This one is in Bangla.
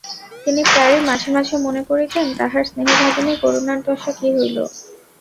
তিনি প্রায়ই মাঝে মাঝে মনে করিতেন, তাঁহার স্নেহভাগিনী করুণার দশা কী হইল!